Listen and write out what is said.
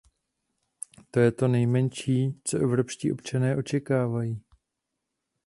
To je to nejmenší, co evropští občané očekávají.